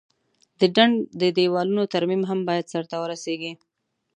د ډنډ د دیوالونو ترمیم هم باید سرته ورسیږي.